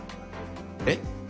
えっ！？